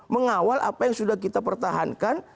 mengawal apa yang sudah kita pertahankan